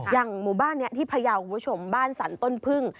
หมู่บ้านนี้ที่พยาวคุณผู้ชมบ้านสรรต้นพึ่ง